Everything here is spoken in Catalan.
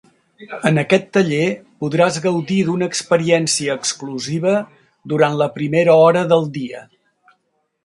En aquest taller podràs gaudir d'una experiència exclusiva durant la primera hora del dia.